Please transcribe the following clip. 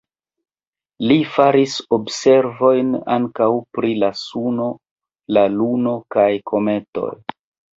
Li faris observojn ankaŭ pri la Suno, la Luno kaj kometoj.